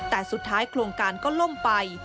แต่สุดท้ายโครงการก็ล่มไป